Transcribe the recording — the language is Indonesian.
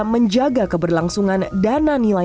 menjaga keberlangsungan dana nilai